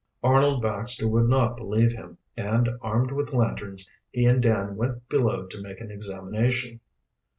Arnold Baxter would not believe him, and armed with lanterns he and Dan went below to make an examination.